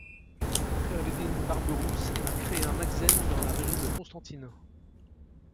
Kheireddine Barberousse a créé un makhzen dans la région de Constantine.